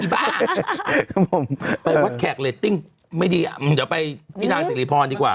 ครับผมไปวัดแขกเรตติ้งไม่ดีเดี๋ยวไปพี่นางสิริพรดีกว่า